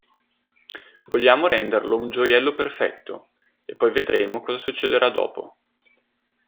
Vogliamo renderlo un gioiello perfetto, e poi vedremo cosa succederà dopo".